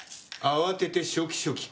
慌てて「ショキショキ」